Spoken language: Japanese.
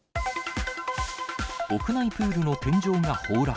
屋内プールの天井が崩落。